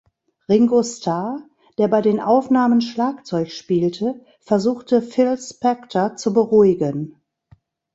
Ringo Starr, der bei den Aufnahmen Schlagzeug spielte, versuchte Phil Spector zu beruhigen.